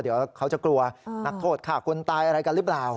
เดี๋ยวเขาจะกลัวนักโทษฆ่าคนตายอะไรกันหรือเปล่า